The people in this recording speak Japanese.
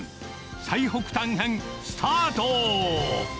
最北端編スタート。